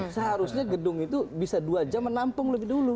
seharusnya gedung itu bisa dua jam menampung lebih dulu